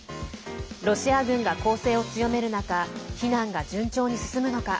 ロシア軍が攻勢を強める中避難が順調に進むのか。